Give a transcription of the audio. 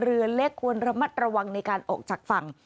เรือเล็กควรระมัดระวังในการออกจากฝั่ง